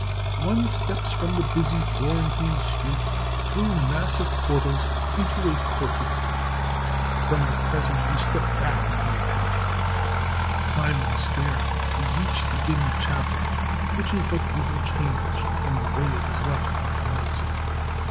One steps from the busy Florentine street, through massive portals, into a courtyard. From the present we step back into the past. Climbing a stair, we reach the dim chapel, which is but little changed from the way it was left by Benozzo.